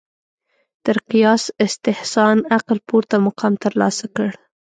تر قیاس استحسان عقل پورته مقام ترلاسه کړ